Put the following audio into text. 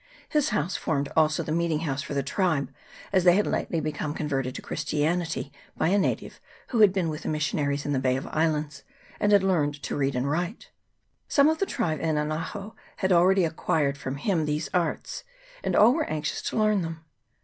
His house formed also the meeting house for the tribe, as they had lately become converted to Christianity by a native, who had been with the missionaries in the Bay of Islands, and had learned to read and write. Some of the tribe in Anaho had already acquired from him these arts, and all were anxious to learn them.